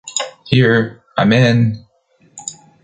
Here! I’m in! ...